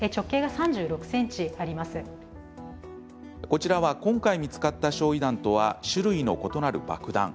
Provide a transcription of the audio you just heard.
こちらは今回見つかった焼い弾とは種類の異なる爆弾。